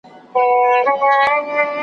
هغه چي د هیواد په درد خوري